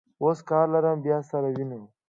اوس کار لرم، بیا سره وینو.